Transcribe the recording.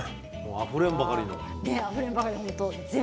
あふれんばかりの。